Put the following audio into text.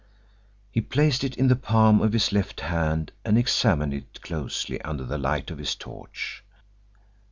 He placed it in the palm of his left hand and examined it closely under the light of his torch.